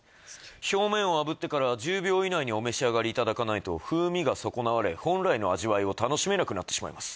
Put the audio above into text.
表面をあぶってから１０秒以内にお召し上がりいただかないと風味が損なわれ本来の味わいを楽しめなくなってしまいます